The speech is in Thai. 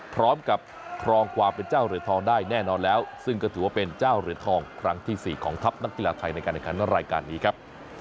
พร้อมกับครองความเป็นเจ้าเหรียญทองได้แน่นอนแล้วซึ่งก็ถือว่าเป็นเจ้าเหรียญทองครั้งที่๔ของทัพนักกีฬาไทยในการแข่งขันรายการนี้ครับ